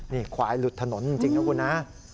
นี่ควายหลุดถนนจริงนะคุณนะ